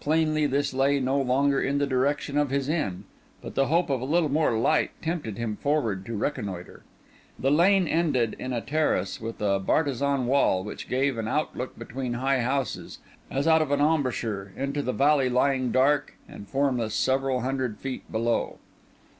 Plainly this lay no longer in the direction of his inn; but the hope of a little more light tempted him forward to reconnoitre. The lane ended in a terrace with a bartizan wall, which gave an out look between high houses, as out of an embrasure, into the valley lying dark and formless several hundred feet below.